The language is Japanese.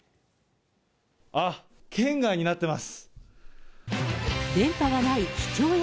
あっ、圏外になってます。